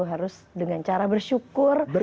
harus dengan cara bersyukur